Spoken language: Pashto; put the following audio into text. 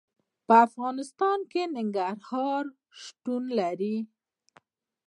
په افغانستان کې ننګرهار شتون لري.